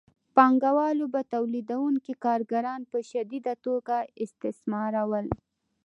پانګوالو به تولیدونکي کارګران په شدیده توګه استثمارول